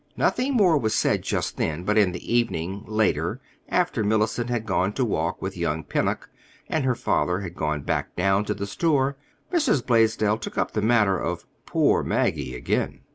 Nothing more was said just then, but in the evening, later, after Mellicent had gone to walk with young Pennock, and her father had gone back down to the store, Mrs. Blaisdell took up the matter of "Poor Maggie" again.